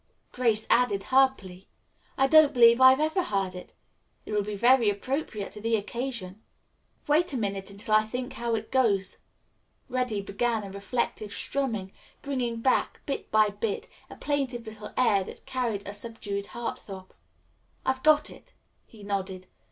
Grace added her plea. "I don't believe I've ever heard it. It will be very appropriate to the occasion." "Wait a minute until I think how it goes." Reddy began a reflective strumming, bringing back, bit by bit, a plaintive little air that carried a subdued heart throb. "I've got it," he nodded.